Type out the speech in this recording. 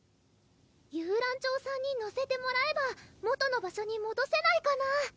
遊覧鳥さんに乗せてもらえば元の場所にもどせないかな？